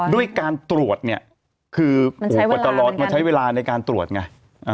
ด้วยการตรวจเนี่ยคืออุปกรณ์ตลอดมันใช้เวลาในการตรวจไง